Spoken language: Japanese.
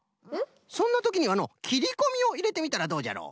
そんなときにはのうきりこみをいれてみたらどうじゃろう？